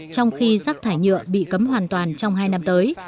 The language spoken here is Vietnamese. trong khi rác thải nhựa bị cấm hoàn toàn trong hai năm tới